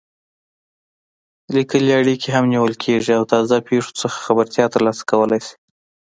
لیکلې اړیکې هم نیول کېږي او تازه پېښو څخه خبرتیا ترلاسه کولای شي.